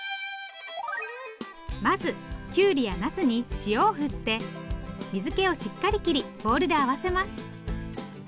まずきゅうりやなすに塩を振って水けをしっかり切りボウルで合わせます。